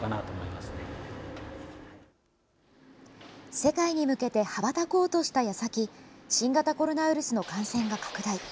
世界に向けて羽ばたこうとした矢先新型コロナウイルスの感染が拡大。